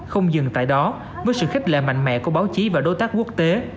không dừng tại đó với sự khích lệ mạnh mẽ của báo chí và đối tác quốc tế